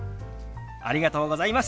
ありがとうございます。